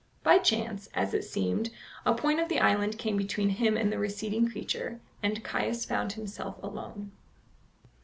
By chance, as it seemed, a point of the island came between him and the receding creature, and Caius found himself alone.